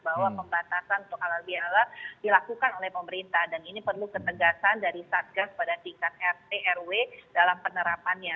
bahwa pembatasan untuk halal bihalal dilakukan oleh pemerintah dan ini perlu ketegasan dari satgas pada tingkat rt rw dalam penerapannya